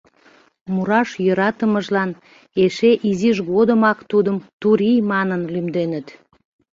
Мураш йӧратымыжлан эше изиж годымак тудым «Турий» манын лӱмденыт.